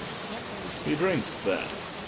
He drinks then ?